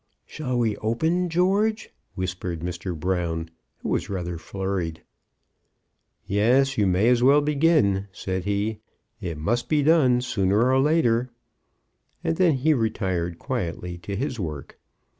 "Shall we open, George?" whispered Mr. Brown, who was rather flurried. "Yes; you may as well begin," said he. "It must be done sooner or later." And then he retired quietly to his work.